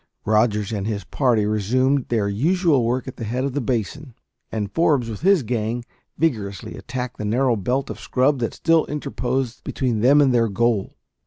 Rogers and his party resumed their usual work at the head of the basin; and Forbes, with his gang, vigorously attacked the narrow belt of scrub that still interposed between them and their goal.